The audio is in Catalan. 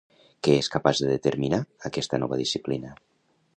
Què és capaç de determinar, aquesta nova disciplina?